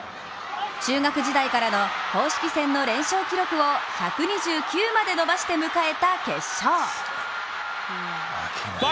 中学時代からの公式戦の連勝記録を１２９まで伸ばして迎えた決勝。